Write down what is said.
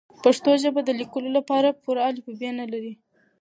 پښتو ژبه د لیکلو لپاره پوره الفبې نلري.